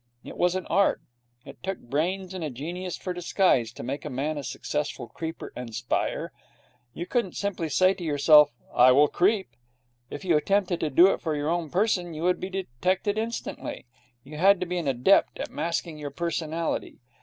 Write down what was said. It was an art. It took brains and a genius for disguise to make a man a successful creeper and spyer. You couldn't simply say to yourself, 'I will creep.' If you attempted to do it in your own person, you would be detected instantly. You had to be an adept at masking your personality.